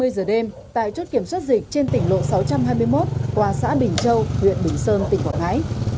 hai mươi giờ đêm tại chốt kiểm soát dịch trên tỉnh lộ sáu trăm hai mươi một qua xã bình châu huyện bình sơn tỉnh quảng ngãi